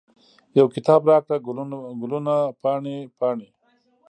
یو کتاب راکړه، ګلونه پاڼې، پاڼې